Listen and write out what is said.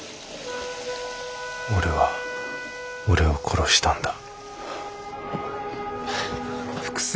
俺は俺を殺したんだ。